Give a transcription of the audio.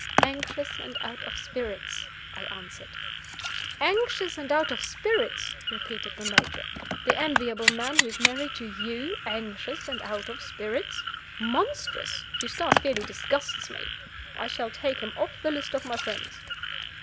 "Anxious and out of spirits." I answered. "Anxious and out of spirits!" repeated the Major. "The enviable man who is married to You anxious and out of spirits? Monstrous! Eustace fairly disgusts me. I shall take him off the list of my friends."